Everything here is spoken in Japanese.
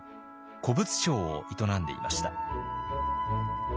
古物商を営んでいました。